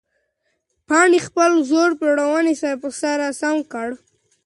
پاڼې خپل زوړ پړونی په سر سم کړ.